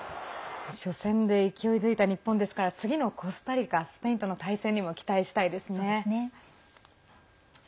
初戦で勢いづいた日本ですから次のコスタリカスペインとの対戦にも期待したいですね。